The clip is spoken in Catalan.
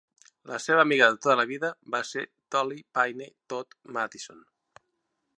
La seva amiga de tota la vida va ser Dolley Payne Todd Madison.